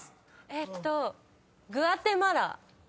えっと「グアテマラ」